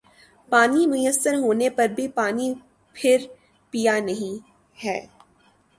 پانی میسر ہونے پر بھی پانی پھر پیا نہیں ہر